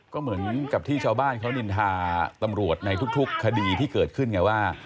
ก็เหมือนกับที่ชาวบ้านเขานินทาตำรวจในทุกคดีที่เกิดขึ้นไงว่า